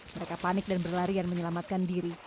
mereka panik dan berlarian menyelamatkan diri